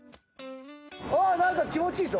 何か気持ちいいぞ。